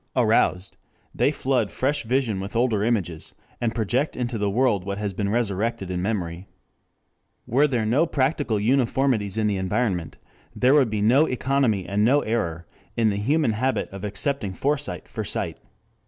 Aroused, they flood fresh vision with older images, and project into the world what has been resurrected in memory. Were there no practical uniformities in the environment, there would be no economy and only error in the human habit of accepting foresight for sight.